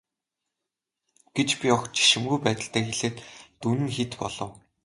гэж би огт жишимгүй байдалтай хэлээд дүн нь хэд болов.